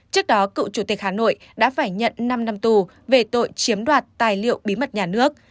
trước đó cựu chủ tịch hà nội đã phải nhận năm năm tù về tội chiếm đoạt tài liệu bí mật nhà nước